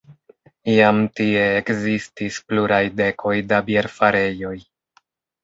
Iam tie ekzistis pluraj dekoj da bierfarejoj.